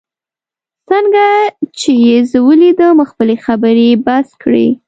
څنګه چي یې زه ولیدم، خپلې خبرې یې بس کړې.